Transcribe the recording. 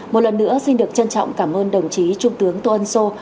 một lần nữa xin được trân trọng cảm ơn đồng chí trung tướng tô ân sô